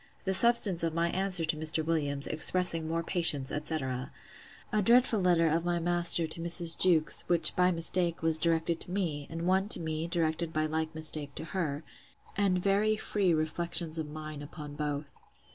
The substance of my answer to Mr. Williams, expressing more patience, etc. A dreadful letter of my master to Mrs. Jewkes; which, by mistake, was directed to me; and one to me, directed by like mistake to her; and very free reflections of mine upon both.